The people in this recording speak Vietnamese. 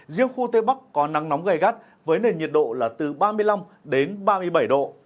riêng khu tây bắc có nắng nóng gây gắt với nền nhiệt độ là từ ba mươi năm đến ba mươi bảy độ